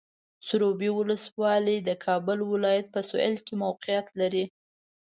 سروبي ولسوالۍ د کابل ولایت په سویل کې موقعیت لري.